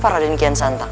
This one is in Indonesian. rada nikian santang